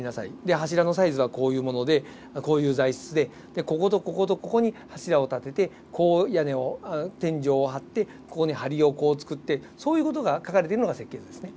柱のサイズはこういうものでこういう材質でこことこことここに柱を立ててこう天井を張ってここにはりをこう作ってそういう事が描かれているのが設計図ですね。